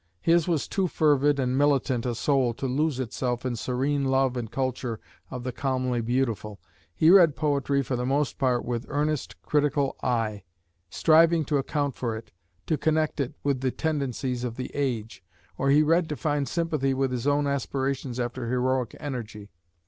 His was too fervid and militant a soul to lose itself in serene love and culture of the calmly beautiful. He read poetry for the most part with earnest, critical eye, striving to account for it, to connect it with the tendencies of the age, or he read to find sympathy with his own aspirations after heroic energy.